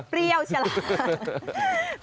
เปรี้ยวใช่ไหม